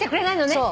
そう。